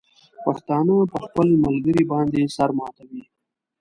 پښتانه په خپل ملګري باندې سر ماتوي.